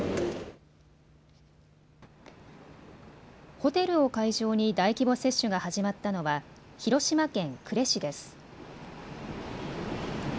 ホテルを会場に大規模接種が始まったのは広島県呉市です。